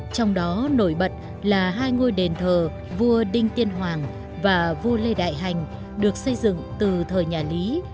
trong đó nổi bật là hai ngôi đền thờ vua đinh tiên hoàng và vua lê đại hành được xây dựng từ thời nhà lý